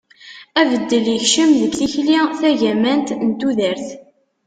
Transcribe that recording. abeddel yekcem deg tikli tagamant n tudert